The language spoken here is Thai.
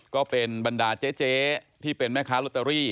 ก็เป็นบรรดาเจ๊ที่เป็นแม่ค้าลอตเตอรี่